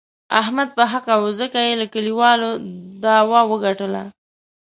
احمد په حقه و، ځکه یې له کلیوالو داوه و ګټله.